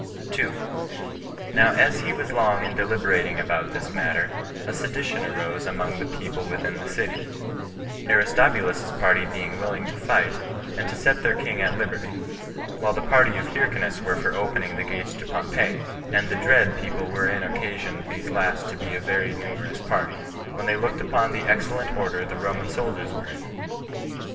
2. Now as he was long in deliberating about this matter, a sedition arose among the people within the city; Aristobulus's party being willing to fight, and to set their king at liberty, while the party of Hyrcanus were for opening the gates to Pompey; and the dread people were in occasioned these last to be a very numerous party, when they looked upon the excellent order the Roman soldiers were in.